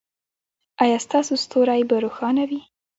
ایا ستاسو ستوری به روښانه وي؟